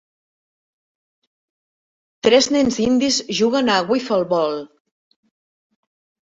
Tres nens indis juguen a 'wiffle ball'.